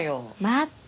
待って。